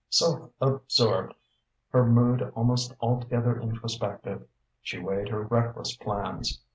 Self absorbed, her mood almost altogether introspective, she weighed her reckless plans.